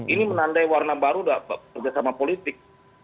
ini menandai warna baru kerjasama politik